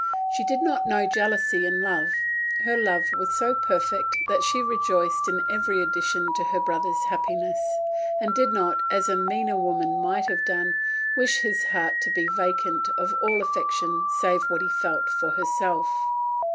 She did not know jealousy in love; her love was so perfect that she rejoiced in every addition to her brother's happiness, and did not, as a meaner woman might have done, wish his heart to be vacant of all affection save what he felt for herself.